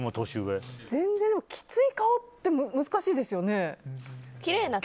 全然きつい顔って難しいですよね。